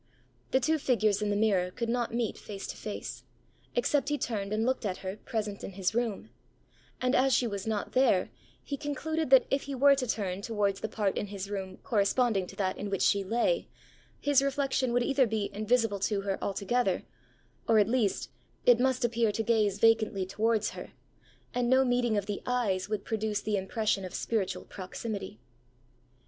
The two figures in the mirror could not meet face to face, except he turned and looked at her, present in his room; and, as she was not there, he concluded that if he were to turn towards the part in his room corresponding to that in which she lay, his reflection would either be invisible to her altogether, or at least it must appear to her to gaze vacantly towards her, and no meeting of the eyes would produce the impression of spiritual proximity.